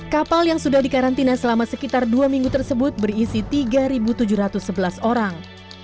kapal yang sudah dikarantina selama sekitar dua minggu tersebut berisi tiga tujuh ratus sebelas orang